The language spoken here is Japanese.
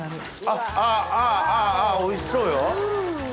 あっああおいしそうよ。